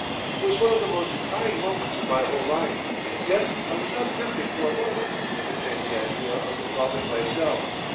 It was one of the most trying moments of my whole life. Yet I was not tempted for a moment to entertain the idea of involving myself.